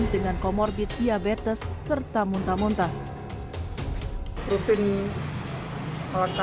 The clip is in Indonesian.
dengan comorbid diabetes serta muntah muntah rutin melaksanakan apa istilahnya ronde pagi ya